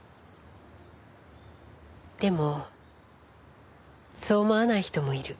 でもそう思わない人もいる。